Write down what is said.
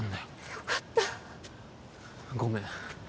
よかったごめん